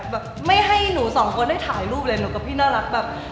แบบไม่ให้หนูสองคนได้ถ่ายรูปเลยหนูกับพี่น่ารักแบบ